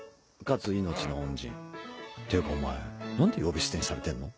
かつ命の恩人。っていうかお前なんで呼び捨てにされてんの？